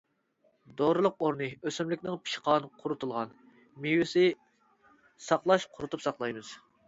دورىلىق ئورنى ئۆسۈملۈكنىڭ پىشقان، قۇرۇتۇلغان مېۋىسى ساقلاش قۇرۇتۇپ ساقلايمىز.